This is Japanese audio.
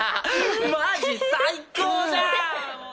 マジ最高じゃんもう。